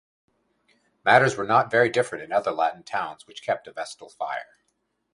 Matters were not very different in other Latin towns which kept a Vestal fire.